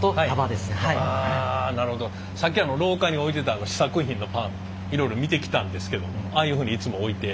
さっき廊下に置いてた試作品のパンいろいろ見てきたんですけどああいうふうにいつも置いて。